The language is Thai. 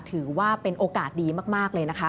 ถือว่าเป็นโอกาสดีมากเลยนะคะ